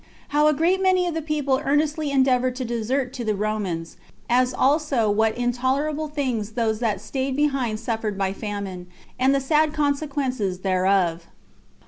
How A Great Many Of The People Earnestly Endeavored To Desert To The Romans; As Also What Intolerable Things Those That Staid Behind Suffered By Famine, And The Sad Consequences Thereof.